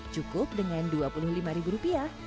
cukup dengan dua puluh lima ribu rupiah